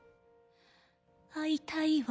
「会いたいわ」